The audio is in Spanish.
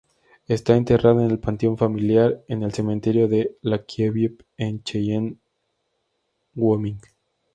Está enterrada en el panteón familiar en el cementerio de Lakeview en Cheyenne, Wyoming.